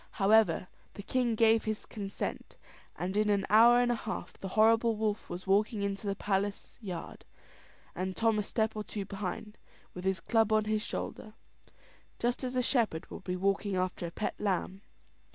However, the king gave his consent; and in an hour and a half the horrible wolf was walking into the palace yard, and Tom a step or two behind, with his club on his shoulder, just as a shepherd would be walking after a pet lamb.